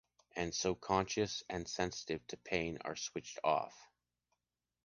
And so conscience and sensitivity to pain are switched off.